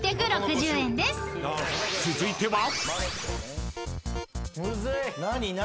［続いては］